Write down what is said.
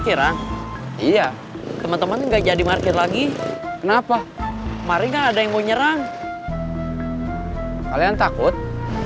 terus tim timcsion kanités ala barasnya loaux